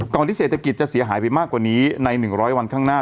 ที่เศรษฐกิจจะเสียหายไปมากกว่านี้ใน๑๐๐วันข้างหน้า